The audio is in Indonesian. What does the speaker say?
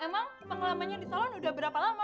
emang pengalamannya di solo udah berapa lama